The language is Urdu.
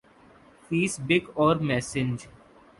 فیس بک اور میسنج